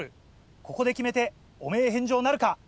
ここで決めて汚名返上なるか？